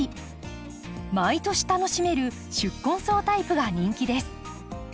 毎年楽しめる宿根草タイプが人気です。